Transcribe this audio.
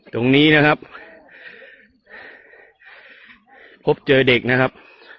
ตรงนี้นะครับพบเจอเด็กนะครับ